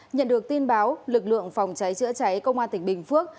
nhận được tin báo lực lượng phòng cháy chữa cháy công an tỉnh bình phước